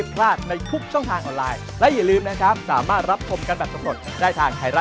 โปรดติดตามตอนต่อไป